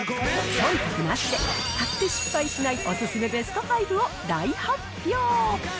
そんたくなしで、買って失敗しないお勧めベスト５を大発表。